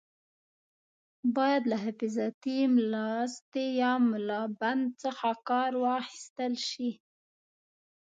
باید له حفاظتي ملاوستي یا ملابند څخه کار واخیستل شي.